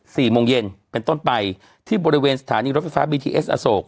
สี่โมงเย็นเป็นต้นไปที่บริเวณสถานีรถไฟฟ้าบีทีเอสอโศก